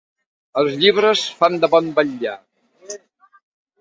Els llibres fan de bon vetllar.